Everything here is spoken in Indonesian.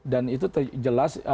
dan itu terjelas